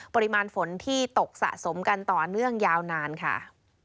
ปริมาณฝนที่ตกสะสมกันต่อเนื่องยาวนานค่ะ